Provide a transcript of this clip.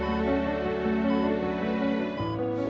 saya akan mencari teman yang lebih baik